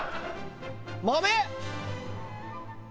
豆？